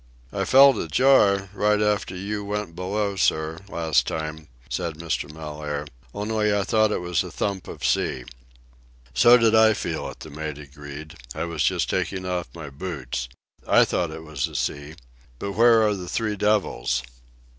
"I felt a jar, right after you' went below, sir, last time," said Mr. Mellaire. "Only I thought it was a thump of sea." "So did I feel it," the mate agreed. "I was just taking off my boots. I thought it was a sea. But where are the three devils?"